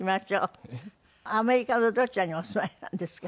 アメリカのどちらにお住まいなんですか？